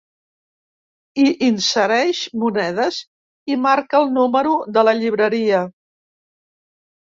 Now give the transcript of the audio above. Hi insereix monedes i marca el número de la llibreria.